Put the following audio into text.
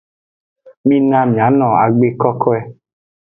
Mina miano agbe kokoe.